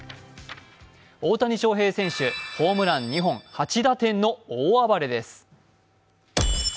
大谷翔平選手、ホームラン２本、８打点の大暴れです。